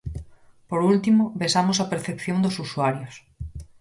Por último, vexamos a percepción dos usuarios.